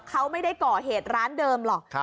เขาไม่ได้ก่อเหตุร้านเดิมหรอก